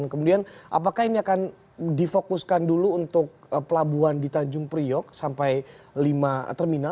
kemudian apakah ini akan difokuskan dulu untuk pelabuhan di tanjung priok sampai lima terminal